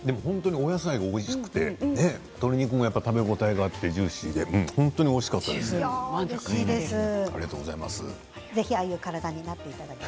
本当にお野菜がおいしくて鶏肉も食べ応えがあってジューシーで本当においしかったです。